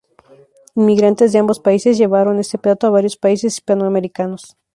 Inmigrantes de ambos países llevaron este plato a varios países hispanoamericanos.